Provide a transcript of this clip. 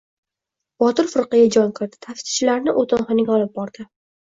Botir firqaga jon kirdi. Taftishchilarni o‘tinxonaga olib bordi.